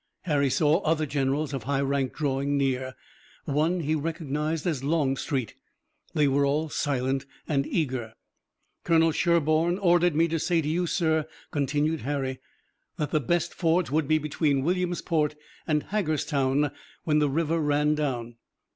Harry saw other generals of high rank drawing near. One he recognized as Longstreet. They were all silent and eager. "Colonel Sherburne ordered me to say to you, sir," continued Harry, "that the best fords would be between Williamsport and Hagerstown when the river ran down."